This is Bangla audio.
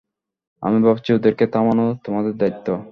আমি ভাবছি, ওদেরকে থামানো তোমাদের দায়িত্ব।